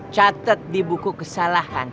catet di buku kesalahan